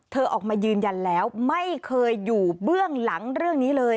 ออกมายืนยันแล้วไม่เคยอยู่เบื้องหลังเรื่องนี้เลย